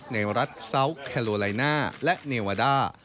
ในรัฐซาวแคโลไลน่าและเนวาด้า